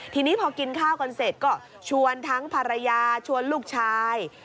ทีนี้พอกินข้าวกันเสร็จก็ชวนทั้งภรรยาชวนลูกชาย